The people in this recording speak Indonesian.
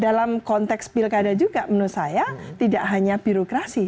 dalam konteks pilkada juga menurut saya tidak hanya birokrasi